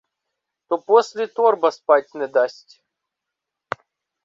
То послі торба спать не дасть.